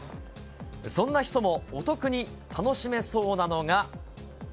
そんな人もお得に楽しめそうなのが。